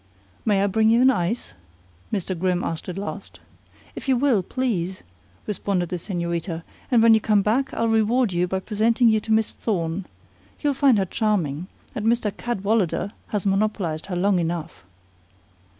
"May I bring you an ice?" Mr. Grimm asked at last. "If you will, please," responded the señorita, "and when you come back I'll reward you by presenting you to Miss Thorne. You'll find her charming; and Mr. Cadwallader has monopolized her long enough."